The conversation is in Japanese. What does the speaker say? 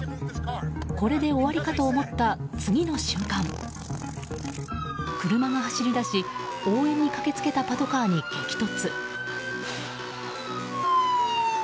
これで終わりかと思った次の瞬間車が走り出し、応援に駆け付けたパトカーに激突。